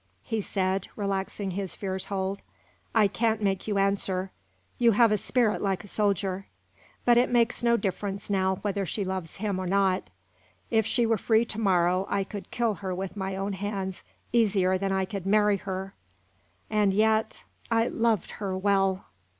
he said, relaxing his fierce hold. "I can't make you answer you have a spirit like a soldier. But it makes no difference now whether she loves him or not. If she were free to morrow, I could kill her with my own hands easier than I could marry her! and yet I loved her well."